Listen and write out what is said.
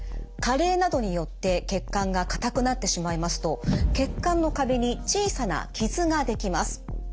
加齢などによって血管が硬くなってしまいますと血管の壁に小さな傷ができます。